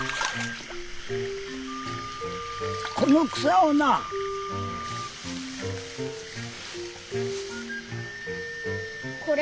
この草をな。これ？